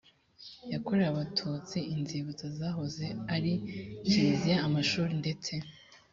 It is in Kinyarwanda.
yakorewe abatutsi inzibutso zahoze ari kiliziya amashuri ndetse